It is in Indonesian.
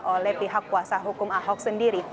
oleh pihak kuasa hukum ahok sendiri